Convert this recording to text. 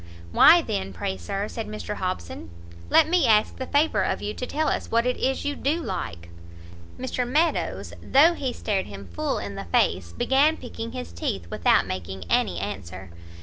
"Why then, pray Sir," said Mr Hobson, "let me ask the favour of you to tell us what it is you do like?" Mr Meadows, though he stared him full in the face, began picking his teeth without making any answer.